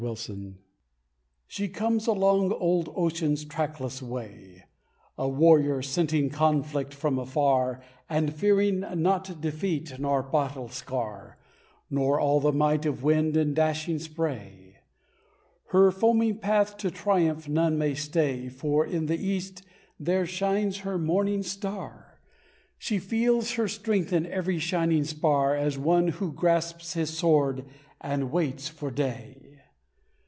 Columbia She comes along old Ocean's trackless way A warrior scenting conflict from afar And fearing not defeat nor battle scar Nor all the might of wind and dashing spray; Her foaming path to triumph none may stay For in the East, there shines her morning star; She feels her strength in every shining spar As one who grasps his sword and waits for day.